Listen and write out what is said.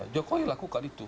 jokowi lakukan itu